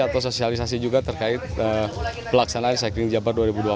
atau sosialisasi juga terkait pelaksanaan cycling jabar dua ribu dua puluh